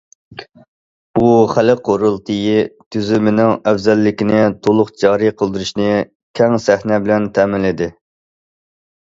بۇ خەلق قۇرۇلتىيى تۈزۈمىنىڭ ئەۋزەللىكىنى تولۇق جارى قىلدۇرۇشنى كەڭ سەھنە بىلەن تەمىنلىدى.